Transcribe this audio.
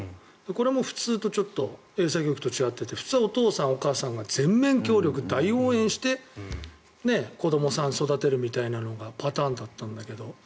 これも普通とちょっと英才教育と違ってて普通はお父さん、お母さんが全面協力、大応援して子どもさんを育てるみたいなのがパターンだったんだけど。